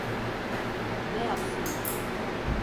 Ne yapsınlar?